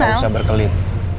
gak usah berkelit